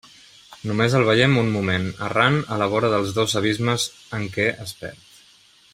Només el veiem un moment errant a la vora dels dos abismes en què es perd.